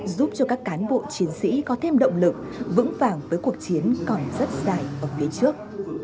giúp cho các cán bộ chiến sĩ có thêm động lực vững vàng với cuộc chiến còn rất dài ở phía trước